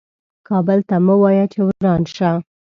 کابل ته مه وایه چې وران شه .